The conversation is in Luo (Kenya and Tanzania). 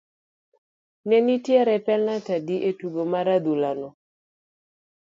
ne nitie penalt adi e tugo mar adhula no?